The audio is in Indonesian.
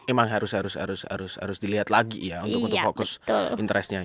eman harus harus harus harus harus dilihat lagi ya untuk untuk focus interestnya ya